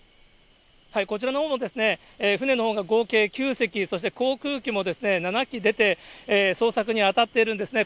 こちらのほうも船のほうが合計９隻、そして航空機も７機出て、捜索に当たっているんですね。